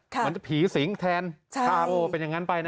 มันจะผีสิงค์แทนโทเป็นอย่างนั้นไปนะ